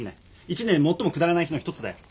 一年で最もくだらない日の１つだよ。